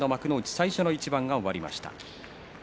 最初の一番が終わりました。